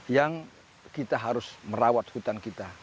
yang kita harus merawat hutan kita